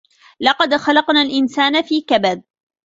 لَقَد خَلَقنَا الإِنسانَ في كَبَدٍ